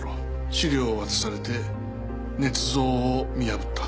資料を渡されて捏造を見破った。